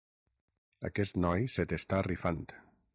Aquest noi se t'està rifant.